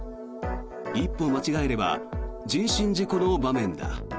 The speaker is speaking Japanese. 一歩間違えれば人身事故の場面だ。